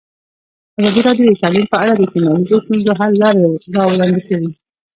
ازادي راډیو د تعلیم په اړه د سیمه ییزو ستونزو حل لارې راوړاندې کړې.